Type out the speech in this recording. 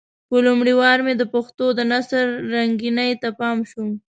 په لومړي وار مې د پښتو د نثر رنګينۍ ته پام شو.